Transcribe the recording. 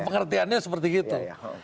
pengertiannya seperti itu